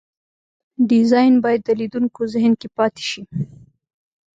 ډیزاین باید د لیدونکو ذهن کې پاتې شي.